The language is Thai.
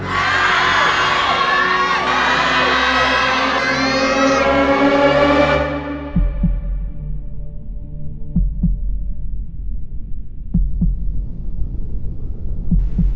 ให้